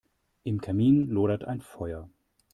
Im Kamin lodert ein Feuer.